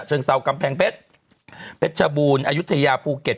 เชิงเซากำแพงเพชรเพชรชบูรณ์อายุทยาภูเก็ต